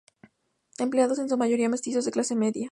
Empleados en su mayoría mestizos de clase media.